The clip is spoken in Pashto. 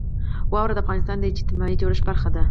واوره د افغانستان د اجتماعي جوړښت برخه ده.